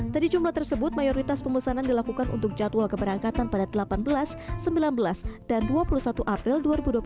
dari jumlah tersebut mayoritas pemesanan dilakukan untuk jadwal keberangkatan pada delapan belas sembilan belas dan dua puluh satu april dua ribu dua puluh tiga